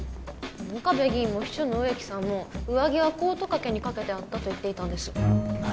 岡部議員も秘書の植木さんも上着はコート掛けに掛けてあったと言っていたんです何！？